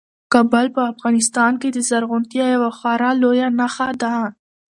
کابل په افغانستان کې د زرغونتیا یوه خورا لویه نښه ده.